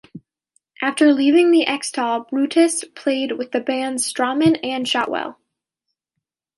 After leaving X-tal, Broustis played with the bands Strawman and Shotwell.